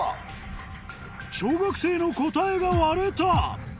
小学生の答えが割れた！